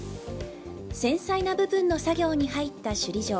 繊細な部分の作業に入った首里城。